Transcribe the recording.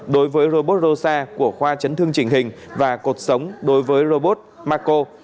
đối với robot rosa của khoa chấn thương trình hình và cột sống đối với robot marco